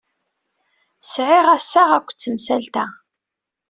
Sɛiɣ assaɣ akked temsalt-a.